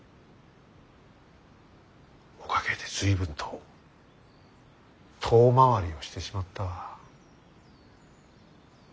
おかげで随分と遠回りをしてしまったわ。